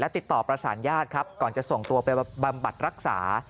ติดต่อประสานญาติครับก่อนจะส่งตัวไปบำบัดรักษา